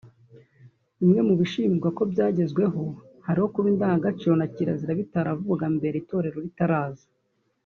Bimwe mu byishimirwa ko byagezeho harimo kuba indangagaciro na kirazira bitaravugwaga mbere itorero ritaraza